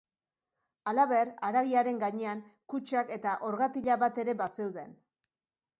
Halaber, haragiaren gainean kutxak eta orgatila bat ere bazeuden.